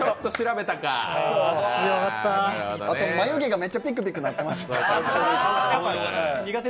あと、まゆ毛がめっちゃピクピクなってました。